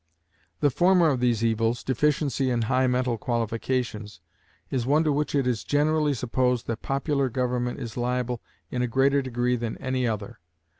The former of these evils, deficiency in high mental qualifications, is one to which it is generally supposed that popular government is liable in a greater degree than any other.